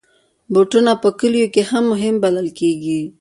بوټونه په کلیو کې هم مهم بلل کېږي.